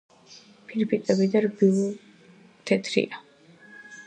ფირფიტები და რბილობი თეთრია.